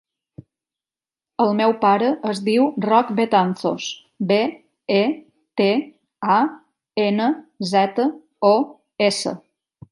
El meu pare es diu Roc Betanzos: be, e, te, a, ena, zeta, o, essa.